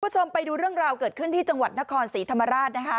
คุณผู้ชมไปดูเรื่องราวเกิดขึ้นที่จังหวัดนครศรีธรรมราชนะคะ